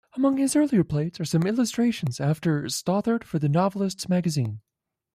Among his earlier plates are some illustrations, after Stothard, for the "Novelists' Magazine".